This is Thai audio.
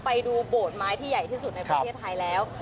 ไปดูโบสถ์ไม้ที่ใหญ่ที่สุดในประเทศไทยแล้ว